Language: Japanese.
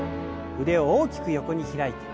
腕を大きく横に開いて。